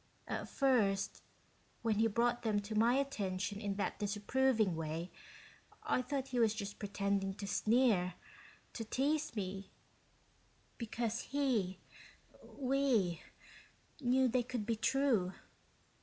At first, when he brought them to my attention in that disapproving way, I thought he was just pretending to sneer, to tease me, because he we knew they could be true.